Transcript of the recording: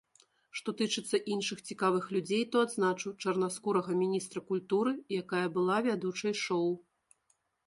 Што тычыцца іншых цікавых людзей, то адзначу чарнаскурага міністра культуры, якая была вядучай шоу.